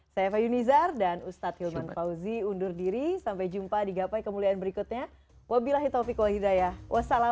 semoga apa yang sudah kita dapat hari ini bisa menjadi bekas untuk kita berjaya berjaya berjaya